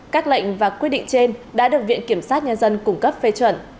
các lệnh và quy định trên đã được viện kiểm sát nhân dân cung cấp phê chuẩn